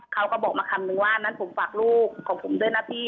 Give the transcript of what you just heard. เขาก็บอกมาคำนึงว่างั้นผมฝากลูกของผมด้วยนะพี่